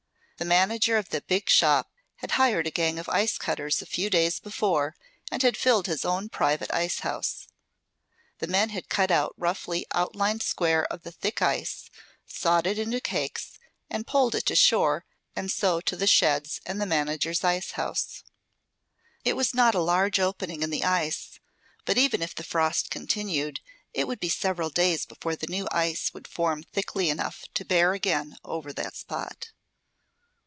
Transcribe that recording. The manager of that big shop had hired a gang of ice cutters a few days before, and had filled his own private icehouse. The men had cut out a roughly outlined square of the thick ice, sawed it into cakes, and poled it to shore and so to the sleds and the manager's icehouse. It was not a large opening in the ice; but even if the frost continued, it would be several days before the new ice would form thickly enough to bear again over that spot.